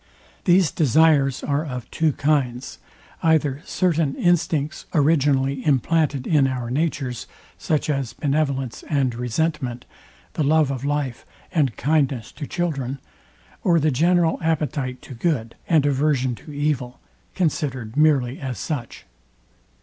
These desires are of two kinds; either certain instincts originally implanted in our natures, such as benevolence and resentment, the love of life, and kindness to children; or the general appetite to good, and aversion to evil, considered merely as such.